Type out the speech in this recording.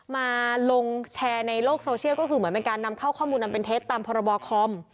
มาลงแชร์ในโลกโซเชียลก็คือเหมือนเป็นการนำเข้าข้อมูลอันเป็นเท็จตามพรบคอม